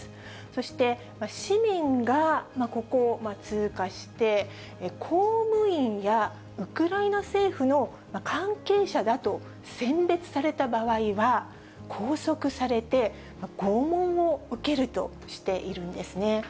そして市民がここを通過して、公務員やウクライナ政府の関係者だと選別された場合は、拘束されて、拷問を受けるとしているんですね。